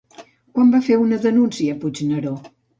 Quan va fer una denúncia Puigneró?